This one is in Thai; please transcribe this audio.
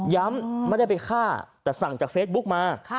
ไม่ได้ไปฆ่าแต่สั่งจากเฟซบุ๊กมา